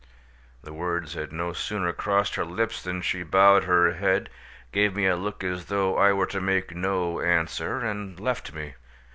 The words had no sooner crossed her lips than she bowed her head, gave me a look as though I were to make no answer, and left me.